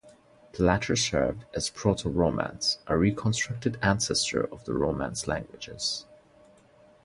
The latter served as Proto-Romance, a reconstructed ancestor of the Romance languages.